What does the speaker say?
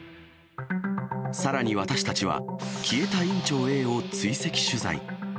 さらに私たちは、消えた院長Ａを追跡取材。